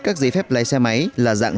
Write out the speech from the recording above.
các giấy phép lái xe máy là dạng